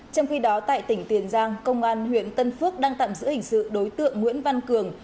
trong khi đó tại tỉnh tiền giang công an huyện tân phước đang tạm giữ hình sự đối tượng nguyễn văn cường